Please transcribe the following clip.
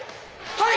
はい！